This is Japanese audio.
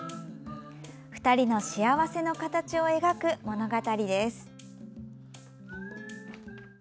２人の幸せの形を描く物語です。